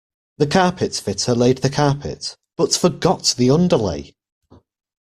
The carpet fitter laid the carpet, but forgot the underlay